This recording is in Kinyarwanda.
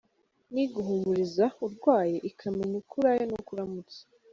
Ni iguhumuriza urwaye ikamenya uko uraye n’uko uramutse.